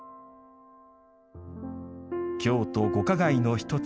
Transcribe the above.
京都五花街の一つ